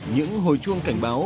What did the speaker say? những hồi chuông cảnh báo